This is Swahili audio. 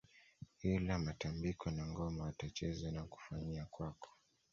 Ila matambiko na ngoma watacheza na kufanyia kwako